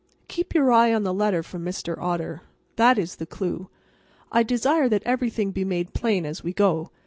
Keep your eye on the letter from Mr. Otter. That is the clue. I desire that everything be made plain as we go.